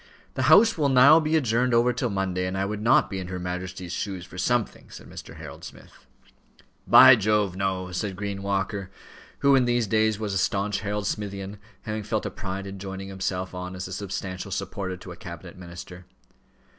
"The House will now be adjourned over till Monday, and I would not be in her Majesty's shoes for something," said Mr. Harold Smith. "By Jove! no," said Green Walker, who in these days was a stanch Harold Smithian, having felt a pride in joining himself on as a substantial support to a cabinet minister.